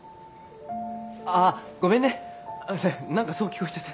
あぁごめんね何かそう聞こえちゃって。